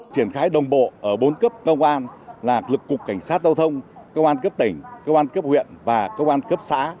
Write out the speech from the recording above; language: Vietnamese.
triển khai đồng bộ ở bốn cấp công an là lực cục cảnh sát giao thông công an cấp tỉnh công an cấp huyện và công an cấp xã